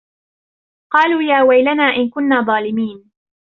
قَالُوا يَا وَيْلَنَا إِنَّا كُنَّا ظَالِمِينَ